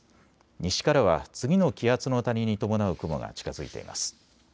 西からは次の気圧の谷に伴う雲が近づいています。